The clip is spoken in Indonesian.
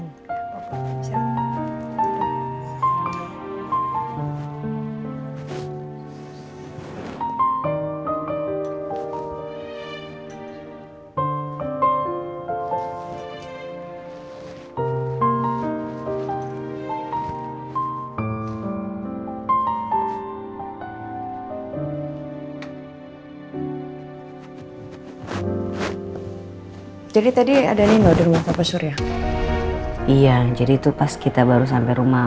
hai jadi tadi ada nih udah mau ke surya iya jadi itu pas kita baru sampai rumah